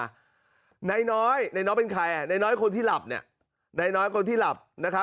หน้าน้อยเป็นใครหน้าน้อยคนที่หลับ